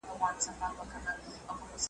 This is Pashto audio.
نن زموږ مسؤلیت یوازې دا نه دی